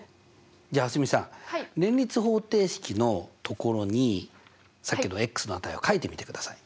じゃあ蒼澄さん連立方程式のところにさっきのの値を書いてみてください。